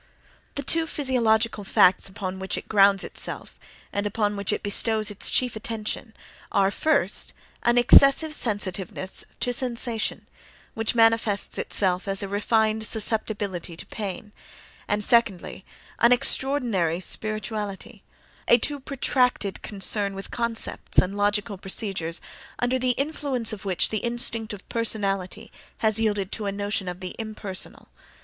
—The two physiological facts upon which it grounds itself and upon which it bestows its chief attention are: first, an excessive sensitiveness to sensation, which manifests itself as a refined susceptibility to pain, and secondly, an extraordinary spirituality, a too protracted concern with concepts and logical procedures, under the influence of which the instinct of personality has yielded to a notion of the "impersonal."